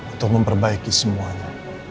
untuk memperbaiki semuanya